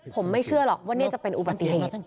ผมไม่เชื่อหรอกว่านี่จะเป็นอุบัติเหตุ